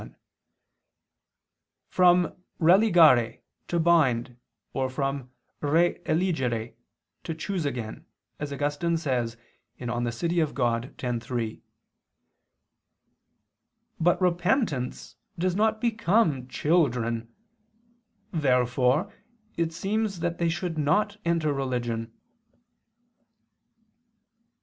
1] from religare (to bind) or from re eligere (to choose again), as Augustine says (De Civ. Dei x, 3 [*Cf. De Vera Relig. lv]). But repentance does not become children. Therefore it seems that they should not enter religion.